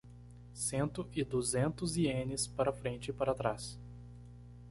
Cento e duzentos ienes para frente e para trás